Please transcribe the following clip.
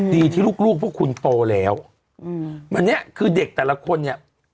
ดีที่ลูกลูกพวกคุณโตแล้วอืมวันนี้คือเด็กแต่ละคนเนี่ย